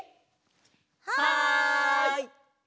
はい！